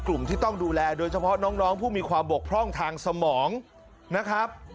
กลุ่มที่ต้องดูแลโดยเฉพาะน้องผู้มีความบกพร่องทางสมองนะครับ